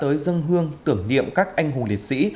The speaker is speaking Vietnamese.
tới dân hương tưởng niệm các anh hùng liệt sĩ